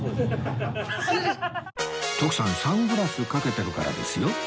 徳さんサングラスかけてるからですよ